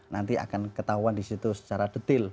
nanti akan ketahuan disitu secara detail